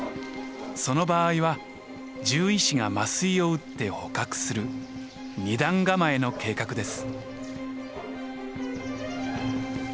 その場合は獣医師が麻酔を打って捕獲する二段構えの計画です。